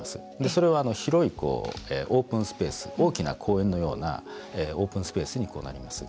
それは広いオープンスペース大きな公園のようなオープンスペースになります。